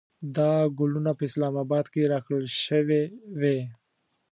دا ګلونه په اسلام اباد کې راکړل شوې وې.